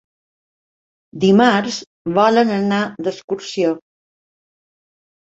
Dimarts volen anar d'excursió.